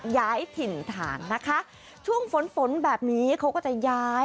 ย้ายถิ่นฐานนะคะช่วงฝนฝนแบบนี้เขาก็จะย้าย